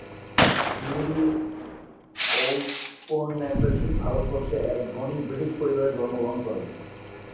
Mary ঔপনিবেশিক ভারতবর্ষে এক ধনী ব্রিটিশ পরিবারে জন্মগ্রহণ করে।